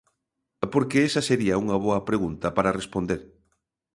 Porque esa sería unha boa pregunta para responder.